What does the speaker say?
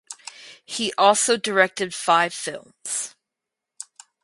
He also directed five films.